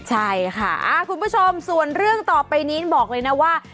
ใช่ค่ะคุณผู้ชมส่วนเรื่องต่อไปนี้บอกเลยนะว่า